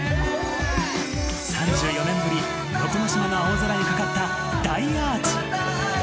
３４年ぶり、能古島の青空にかかった大アーチ。